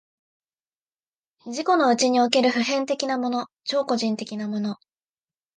自己のうちにおける普遍的なもの、超個人的なもの、